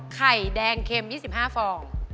ไข่แดงเข็ม๒๕ฟอง